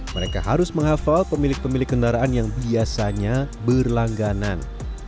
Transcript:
mereka harus menghafal pemilik pemilik kendaraan yang biasanya berlangganan